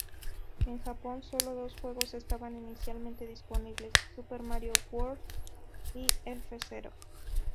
En Japón, solo dos juegos estaban inicialmente disponibles: "Super Mario World" y "F-Zero".